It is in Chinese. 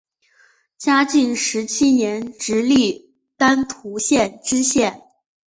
嘉靖十七年授直隶丹徒县知县。